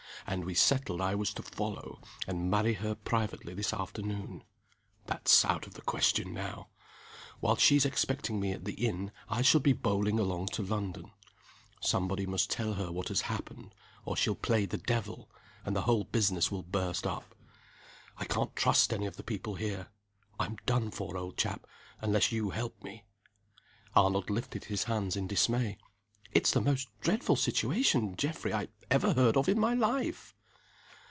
And we settled I was to follow, and marry her privately this afternoon. That's out of the question now. While she's expecting me at the inn I shall be bowling along to London. Somebody must tell her what has happened or she'll play the devil, and the whole business will burst up. I can't trust any of the people here. I'm done for, old chap, unless you help me." Arnold lifted his hands in dismay. "It's the most dreadful situation, Geoffrey, I ever heard of in my life!"